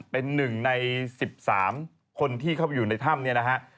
เป็น๑ใน๑๓คนที่เข้าไปอยู่ในถ้ำเนี่ยนะฮะ